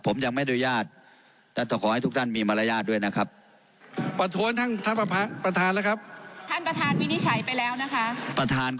ผมใครด้วยท่านพาดหลาย